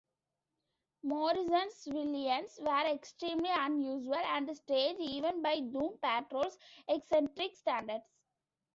Morrison's villains were extremely unusual and strange, even by Doom Patrol's eccentric standards.